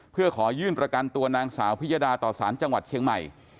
เพื่อขอยื่นประกันตัวนางสาวพิยดาต่อสารจังหวัดเชียงใหม่